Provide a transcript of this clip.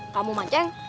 aku mau jalan